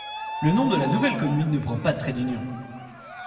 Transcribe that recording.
Le nom de la nouvelle commune ne prend pas de traits d'union.